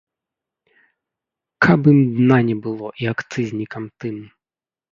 Каб ім дна не было і акцызнікам тым!